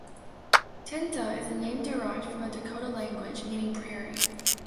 Tintah is a name derived from the Dakota language meaning "prairie".